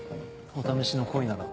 お試しの恋なら。